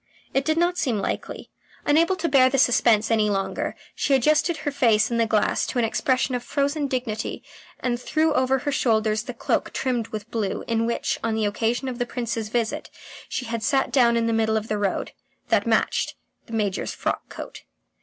It did not seem likely. Unable to bear the suspense any longer, she adjusted her face in the glass to an expression of frozen dignity and threw over her shoulders the cloak trimmed with blue in which, on the occasion of the Prince's visit, she had sat down in the middle of the road. That matched the Major's frock coat.